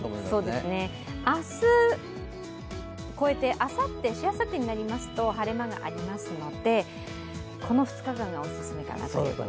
明日を越えて、あさって、しあさってになりますと晴れ間がありますので、この２日間がオススメかなと。